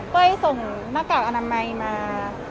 ส่งหน้ากากอนามัยมา